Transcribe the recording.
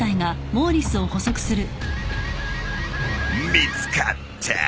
見つかった！